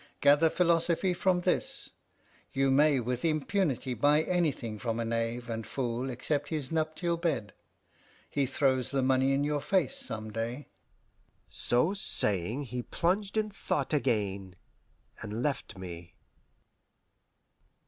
Gather philosophy from this: you may with impunity buy anything from a knave and fool except his nuptial bed. He throws the money in your face some day." So saying he plunged in thought again, and left me.